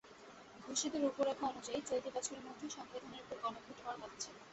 ঘোষিত রূপরেখা অনুযায়ী, চলতি বছরের মধ্যেই সংবিধানের ওপর গণভোট হওয়ার কথা ছিল।